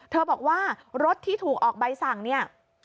บอกว่ารถที่ถูกออกใบสั่งเนี่ย